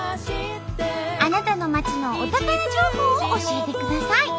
あなたの町のお宝情報を教えてください。